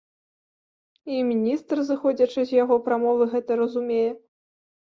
І міністр, зыходзячы з яго прамовы, гэта разумее!